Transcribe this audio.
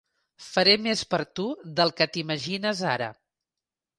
Faré més per tu del que t'imagines ara.